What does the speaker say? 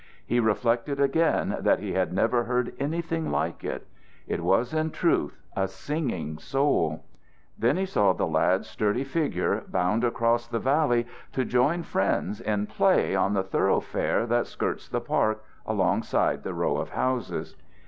He reflected again that he had never heard anything like it. It was, in truth, a singing soul. Then he saw the lad's sturdy figure bound across the valley to join friends in play on the thoroughfare that skirts the park alongside the row of houses.